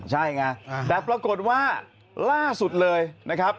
ใช่ไงแต่ปรากฏว่าล่าสุดเลยนะครับ